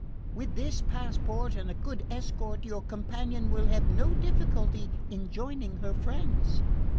With this passport and a good escort your companion will have no difficulty in joining her friends."